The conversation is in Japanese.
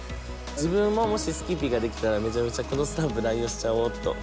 自分ももし好きピができたらめちゃめちゃこのスタンプ乱用しちゃおうっと。